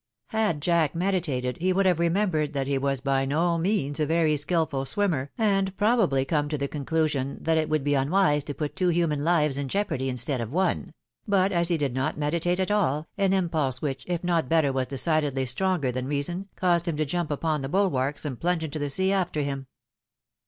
Had Jack meditated, he would have remembered that he was by no means a very skilful swimmer, and probably come to the xionclusion that it would be unwise to put two human hves in jeopardy instead of one ; but as he did not me ditate at all, an impulse which, if not better was decidedly stronger than reason, caused him to jump upon the bulwarks, and plunge into the sea after him.